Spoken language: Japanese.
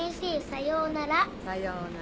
さようなら。